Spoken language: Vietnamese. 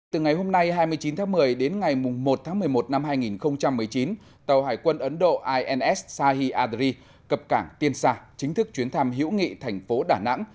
từ ngày hôm nay hai mươi chín tháng một mươi đến ngày một tháng một mươi một năm hai nghìn một mươi chín tàu hải quân ấn độ ins sahi adri cập cảng tiên xa chính thức chuyến thăm hữu nghị thành phố đà nẵng